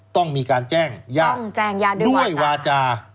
ต้องมีการแจ้งยังด้วยวาจา